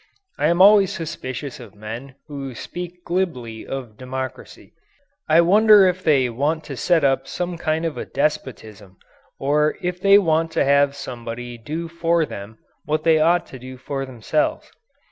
I am always suspicious of men who speak glibly of democracy. I wonder if they want to set up some kind of a despotism or if they want to have somebody do for them what they ought to do for themselves.